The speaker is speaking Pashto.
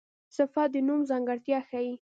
صفت د نوم ځانګړتیا ښيي.